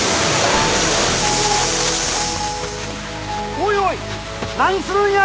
おいおい何するんや！